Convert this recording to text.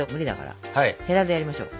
へらでやりましょう。